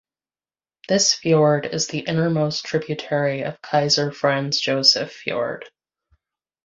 This fjord is the innermost tributary of Kaiser Franz Joseph Fjord.